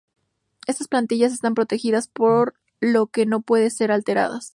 Estas plantillas están protegidas, por lo que no pueden ser alteradas.